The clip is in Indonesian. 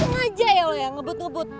ngaja ya lo yang ngebut ngebut